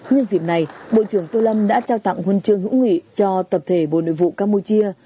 nhân dịp này bộ trưởng tô lâm đã trao tặng huân chương hữu nghị cho tập thể bộ nội vụ campuchia